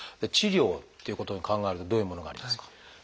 治療っていうことを考えるとどういうものがありますか？